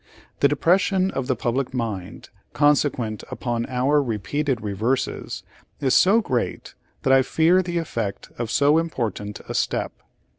The depression of the public mind, con sequent upon our repeated reverses, is so great that I fear the effect of so important a step.